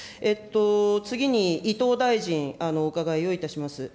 次に伊藤大臣、お伺いをいたします。